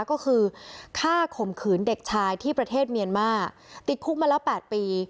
ก็คือฆ่าข่มขืนเด็กชายที่ประเทศเมียนมาติดคุกมาแล้ว๘ปี